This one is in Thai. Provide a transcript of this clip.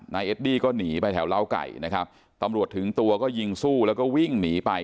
เอดดี้ก็หนีไปแถวล้าวไก่นะครับตำรวจถึงตัวก็ยิงสู้แล้วก็วิ่งหนีไป